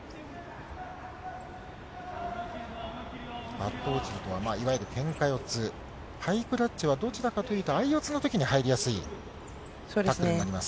バットオチルとはいわゆるけんか四つ、ハイクラッチはどちらかというと、相四つのときに入りやすいタックルになります。